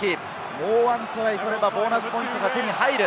もう１トライ取ればボーナスポイントが手に入る。